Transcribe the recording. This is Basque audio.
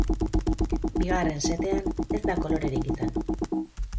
Bigarren setean ez da kolorerik izan.